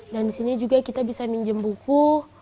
dan di sini juga kita bisa minjem buku